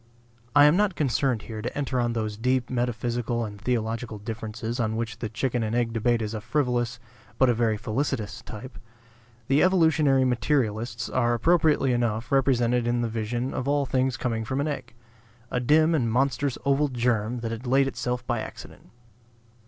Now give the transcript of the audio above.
I am not concerned here to enter on those deep metaphysical and theological differences of which the chicken and egg debate is a frivolous, but a very felicitous, type. The evolutionary materialists are appropriately enough represented in the vision of all things coming from an egg, a dim and monstrous oval germ that had laid itself by accident.